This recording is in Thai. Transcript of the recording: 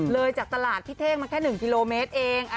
เลยจากตลาดพี่เท่งมาแค่๑กิโลเมตรเอง